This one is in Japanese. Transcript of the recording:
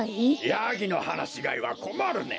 ヤギのはなしがいはこまるね。